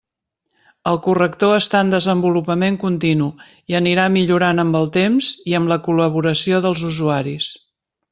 El corrector està en desenvolupament continu, i anirà millorant amb el temps i amb la col·laboració dels usuaris.